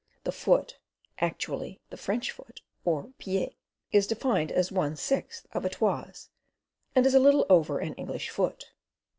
The 'foot'; actually the 'French foot', or 'pied', is defined as 1/6 of a 'toise', and is a little over an English foot.)